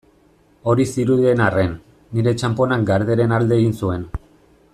Hori zirudien arren, nire txanponak Garderen alde egin zuen.